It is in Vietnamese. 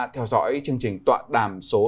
theo dõi chương trình tọa đàm số